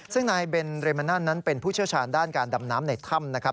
ซึ่งนายเบนเรมันนั้นเป็นผู้เชี่ยวชาญด้านการดำน้ำในถ้ำนะครับ